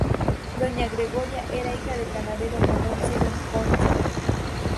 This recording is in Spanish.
Doña Gregoria era hija del ganadero Manuel Cerón Concha.